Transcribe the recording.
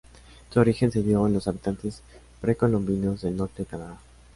Su origen se dio en los habitantes precolombinos del norte de Canadá.